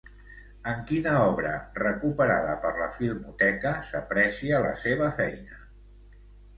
En quina obra recuperada per la Filmoteca s'aprecia la seva feina?